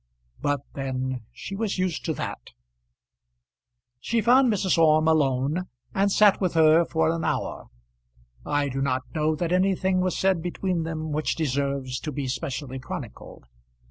But then she was used to that. She found Mrs. Orme alone, and sat with her for an hour. I do not know that anything was said between them which deserves to be specially chronicled.